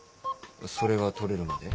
それが取れるまで。